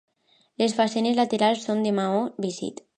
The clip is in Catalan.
Les façanes laterals són de maó vist.